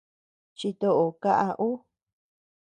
Chito kaʼa ú.